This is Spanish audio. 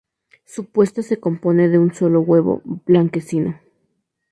Su puesta se compone de un solo huevo blanquecino.